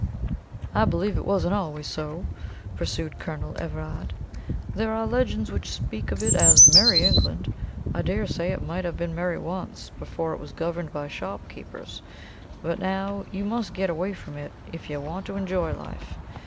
"I believe it wasn't always so," pursued Colonel Everard; "there are legends which speak of it as Merrie England. I dare say it might have been merry once, before it was governed by shopkeepers; but now, you must get away from it if you want to enjoy life.